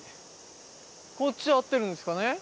こっちで合ってるんですかね？